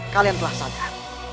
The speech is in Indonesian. kalian telah sadar